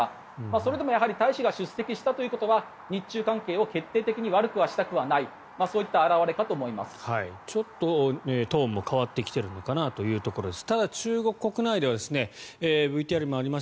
それでもやはり大使が出席したということは日中関係を決定的に悪くはしたくないちょっとトーンも変わってきているのかなというところです。